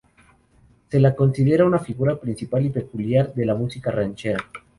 Se la considera una figura principal y peculiar de la música ranchera.